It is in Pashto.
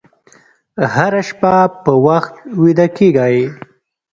هره شپه په وخت ویده کېږئ.